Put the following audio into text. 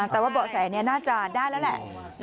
แต่ว่าเบาะแสนี้น่าจะได้แล้วแหละ